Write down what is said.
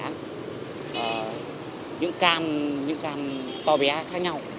những cam những cam to bé khác nhau